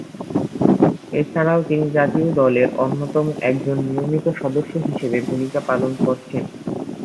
এছাড়াও তিনি জাতীয় দলের অন্যতম একজন নিয়মিত সদস্য হিসেবে ভূমিকা পালন করছেন।